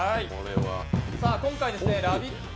今回「ラヴィット！」